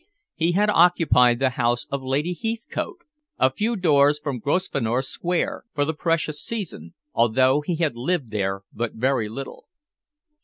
He had occupied the house of Lady Heathcote, a few doors from Grosvenor Square, for the previous season, although he had lived there but very little.